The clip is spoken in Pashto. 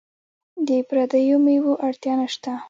د پردیو میوو اړتیا نشته.